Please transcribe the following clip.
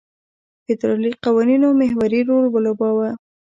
فدرالي قوانینو محوري رول ولوباوه.